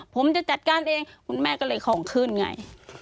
ผมจะจัดการเองคุณแม่ก็เลยของขึ้นไง